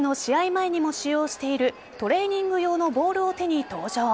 前にも使用しているトレーニング用のボールを手に登場。